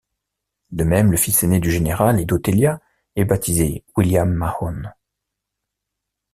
De même le fils aîné du général et d'Otelia est baptisé William Mahone.